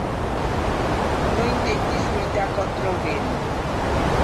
No intentis lluitar contra el vent.